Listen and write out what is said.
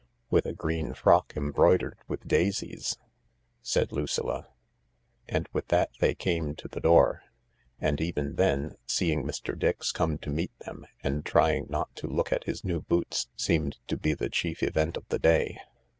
"With a green frock embroidered with daisies," said THE LARK 145 Lucilla. And with that they came to the door. And even then, seeing Mr. Dix come to meet them and trying not to look at his new boots seemed to be the chief event of the day.